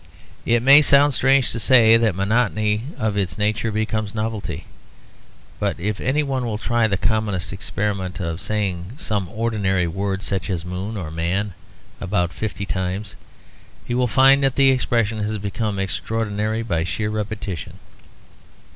It may sound strange to say that monotony of its nature becomes novelty. But if any one will try the common experiment of saying some ordinary word such as "moon" or "man" about fifty times, he will find that the expression has become extraordinary by sheer repetition.